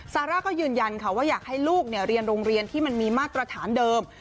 ซาร่าก็ยืนยันค่ะว่าอยากให้ลูกเรียนโรงเรียนที่มันมีมาตรฐานเดิม